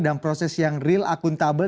dan proses yang real akuntabel